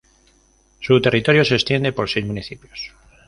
Su territorio se extiende por seis municipios.